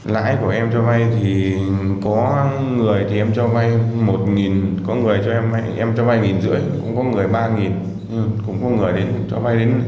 lãi của em cho vai thì có người thì em cho vai một có người cho em em cho vai một năm trăm linh cũng có người ba cũng có người cho vai đến năm